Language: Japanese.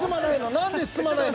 何で進まないの？